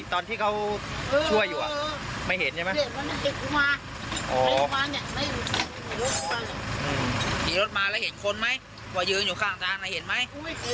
ตอนที่เขาช่วยอยู่อะไม่เห็นใช่ไหม